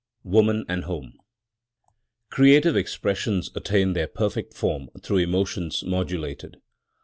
WOMAN AND HOME Creative expressions attain their perfect form through emotions modulated.